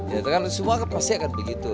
ya kan semua pasti akan begitu